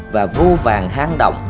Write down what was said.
và vô vàng hang động